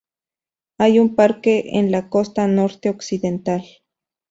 Hay un parque en la costa norte occidental.